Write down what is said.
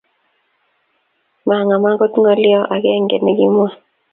maang'am akot ng'olion agenge ne kimwa